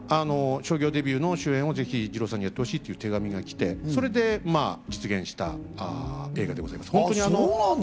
商業デビューの主演をぜひ二朗さんにやってほしいという手紙が来て、それで実現した映画でございます。